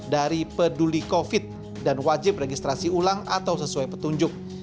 dari peduli covid dan wajib registrasi ulang atau sesuai petunjuk